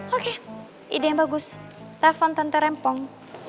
oke ide yang bagus telepon tante rempong